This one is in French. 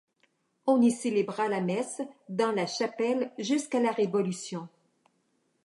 On y célébra la messe dans la chapelle jusqu'à la Révolution.